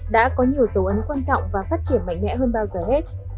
đã có nhiều dấu ấn quan trọng và phát triển mạnh mẽ hơn bao giờ hết